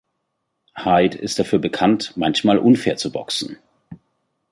Hide ist dafür bekannt, manchmal unfair zu boxen.